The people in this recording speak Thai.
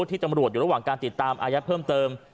ที่ตำรวจอยู่ระหว่างการติดตามอายัดเพิ่มเติม